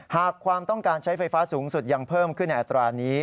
หากความต้องการใช้ไฟฟ้าสูงสุดยังเพิ่มขึ้นในอัตรานี้